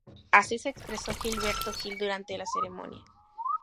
Así se expresó Gilberto Gil durante la ceremonia.